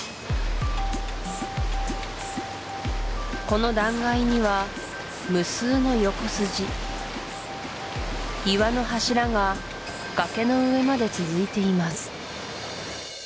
この断崖には無数の横スジ岩の柱が崖の上まで続いています